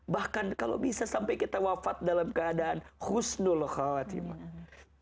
bahkan kalau bisa sampai kita wafat dalam keadaan husnul khawatimah